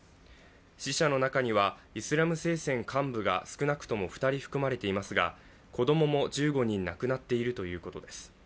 死者の中にはイスラム聖戦幹部が少なくとも２人含まれていますが子供も１５人亡くなっているということです。